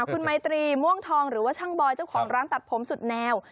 คุณไมตรีม่วงทองหรือว่าช่างบอยเจ้าของร้านตัดผมสุดแนว